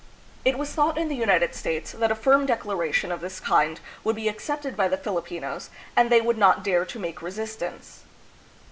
It was thought in the United States that a firm declaration of this kind would be accepted by the Filipinos and that they would not dare to make resistance.